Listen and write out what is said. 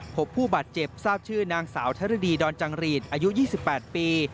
พบผู้บาดเจ็บทราบชื่อนางสาวชะฤดีดอนจังหรีดอายุ๒๘ปี